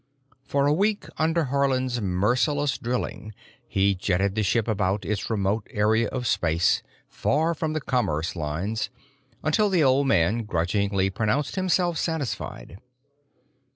For a week under Haarland's merciless drilling he jetted the ship about its remote area of space, far from the commerce lanes, until the old man grudgingly pronounced himself satisfied.